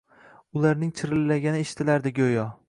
Ularning chirillagani eshitilardi guyo.